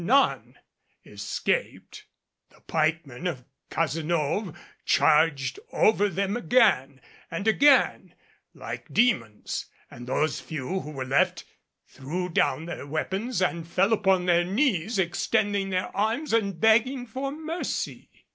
None escaped. The pikemen of Cazenove charged over them again and again like demons, and those few who were left threw down their weapons and fell upon their knees extending their arms and begging for mercy.